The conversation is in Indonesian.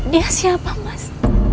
dia siapa mas